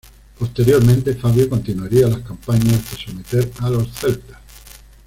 Posteriormente, Fabio continuaría las campañas hasta someter a los celtas.